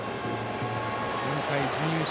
前回、準優勝